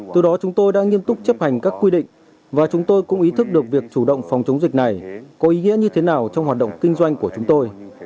từ đó chúng tôi đã nghiêm túc chấp hành các quy định và chúng tôi cũng ý thức được việc chủ động phòng chống dịch này có ý nghĩa như thế nào trong hoạt động kinh doanh của chúng tôi